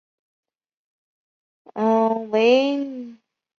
勐腊鞭藤为棕榈科省藤属下的一个种。